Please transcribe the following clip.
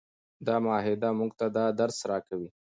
دا معاهده موږ ته دا درس راکوي.